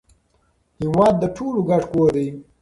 هیواد د ټولو ګډ کور دی.